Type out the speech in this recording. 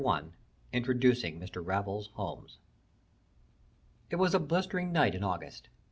I INTRODUCING MR. RAFFLES HOLMES It was a blistering night in August.